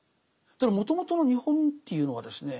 もともとの日本というのはですね